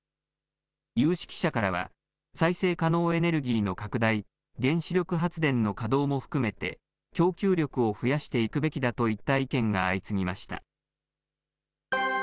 有識者からは、再生可能エネルギーの拡大、原子力発電の稼働も含めて、供給力を増やしていくべきだといった意見が相次ぎました。